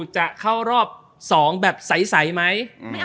จะเข้ารอบ๒แบบใสไหม